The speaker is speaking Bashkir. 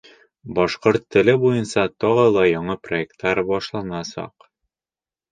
Башҡорт теле буйынса тағы ла яңы проекттар башланасаҡ.